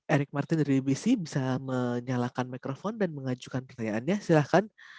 erik martin dari bbc bisa menyalakan microphone dan mengajukan pertanyaannya silahkan